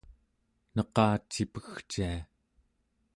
neqa cipegcia